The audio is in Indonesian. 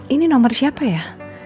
ini nomer siapa ya